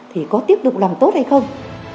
thì có tiếp tục làm tốt hay không